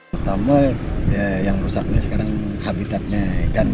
pertama yang rusaknya sekarang habitatnya ikan